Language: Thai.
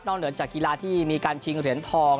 เหนือจากกีฬาที่มีการชิงเหรียญทอง